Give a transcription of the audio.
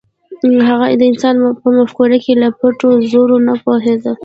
هغه د انسان په مفکورو کې پر پټو زرو نه پوهېده.